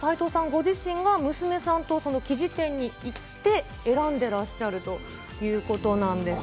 ご自身が娘さんと生地店に行って選んでらっしゃるということなんです。